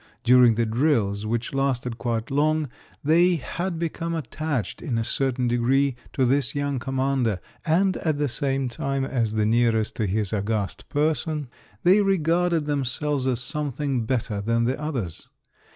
During the drills, which lasted quite long, they had become attached in a certain degree to this young commander, and at the same time, as the nearest to his august person, they regarded themselves as something better than the others.